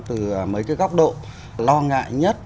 từ mấy cái góc độ lo ngại nhất